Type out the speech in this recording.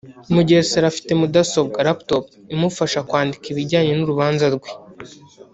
Mugesera afite mudasobwa (Lap top) imufasha mu kwandika ibijyanye n’urubanza rwe